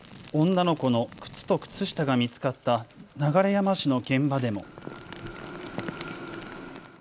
女の子の靴と靴下が見つかった流山市の現場でも。